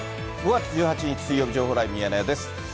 ５月１８日水曜日、情報ライブ、ミヤネ屋です。